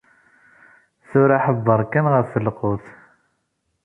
Tura ḥebbeṛ kan ɣef lqut.